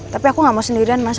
tapi aku gak mau sendirian mas